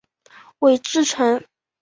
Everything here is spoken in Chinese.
韦志成。